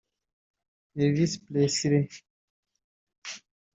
Elvis Presley